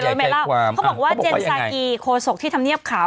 ท่านก็พูดว่าเจนสาโกโคโสกที่ทำเงียบข่าว